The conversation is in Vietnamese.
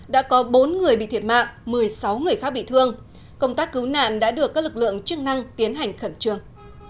đã có bốn người bị thiệt mạng một mươi sáu người khác bị thương công tác cứu nạn đã được các lực lượng chức năng tiến hành khẩn trương